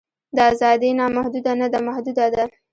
دا ازادي نامحدوده نه ده محدوده ده.